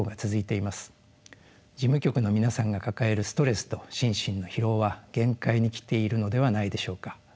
事務局の皆さんが抱えるストレスと心身の疲労は限界に来ているのではないでしょうか。